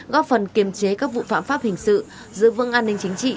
góp phần kiềm chế các vụ phạm pháp hình sự giữ vững an ninh chính trị